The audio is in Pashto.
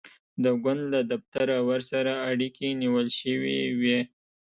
د ګوند له دفتره ورسره اړیکه نیول شوې وي.